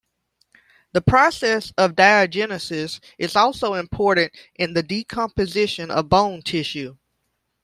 The process of diagenesis is also important in the decomposition of bone tissue.